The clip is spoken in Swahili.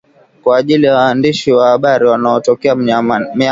kwa ajili ya waandishi wa habari wanaotokea Myanmar,